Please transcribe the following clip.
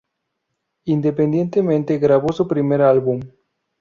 Independiente grabó su primer álbum.